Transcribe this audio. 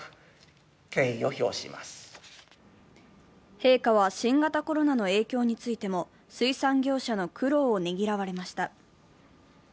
陛下は、新型コロナの影響についても水産業者の苦労をねぎらわれました。